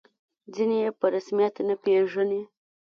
ځینې یې په رسمیت نه پېژني.